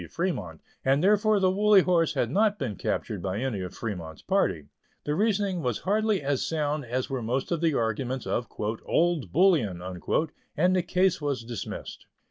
Fremont, and therefore the Woolly Horse had not been captured by any of Fremont's party. The reasoning was hardly as sound as were most of the arguments of "Old Bullion," and the case was dismissed.